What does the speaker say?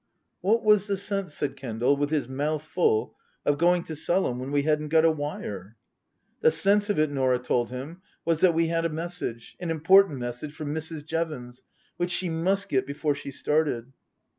What was the sense, said Kendal, with his mouth full, of going to Selham when we hadn't got a wire ? The sense of it, Norah told him, was that we had a message an important message for Mrs. Jevons, which she must get before she started.